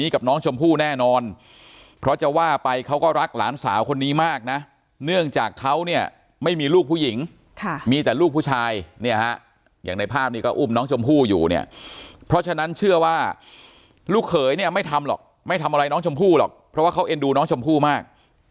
กับน้องชมพู่แน่นอนเพราะจะว่าไปเขาก็รักหลานสาวคนนี้มากนะเนื่องจากเขาเนี่ยไม่มีลูกผู้หญิงมีแต่ลูกผู้ชายเนี่ยฮะอย่างในภาพนี้ก็อุ้มน้องชมพู่อยู่เนี่ยเพราะฉะนั้นเชื่อว่าลูกเขยเนี่ยไม่ทำหรอกไม่ทำอะไรน้องชมพู่หรอกเพราะว่าเขาเอ็นดูน้องชมพู่มาก